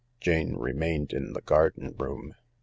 Jane remained in the garden room.